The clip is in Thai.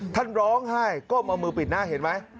ท่านร้องไห้ก้มเอามือปิดหน้าเห็นไหม